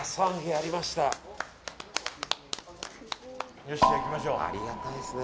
ありがたいですね。